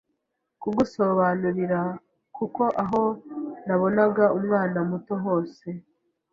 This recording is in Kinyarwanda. kugusobanurira kuko aho nabonaga umwana muto hose